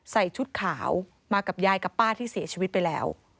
ชุดขาวมากับยายกับป้าที่เสียชีวิตไปแล้ว